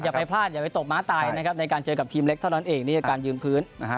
ไปพลาดอย่าไปตกม้าตายนะครับในการเจอกับทีมเล็กเท่านั้นเองนี่คือการยืนพื้น